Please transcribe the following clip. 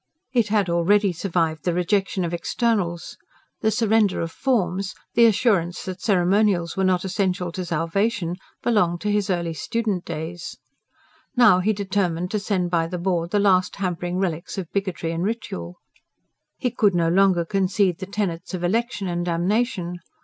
It had already survived the rejection of externals: the surrender of forms, the assurance that ceremonials were not essential to salvation belonged to his early student days. Now, he determined to send by the board the last hampering relics of bigotry and ritual. He could no longer concede the tenets of election and damnation.